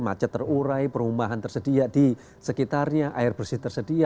macet terurai perumahan tersedia di sekitarnya air bersih terdapat dan kemudian kita bisa